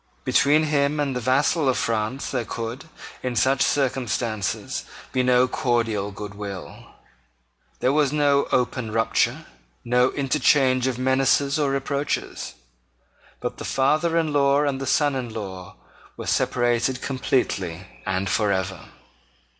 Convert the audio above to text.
Between him and the vassal of France there could, in such circumstances, be no cordial good will. There was no open rupture, no interchange of menaces or reproaches. But the father in law and the son in law were separated completely and for ever.